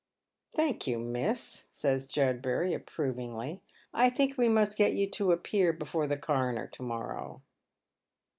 " Thank you, miss," says Judbury, approvingly. " I think w« ttiust get you <o appear before the coroner to morrow."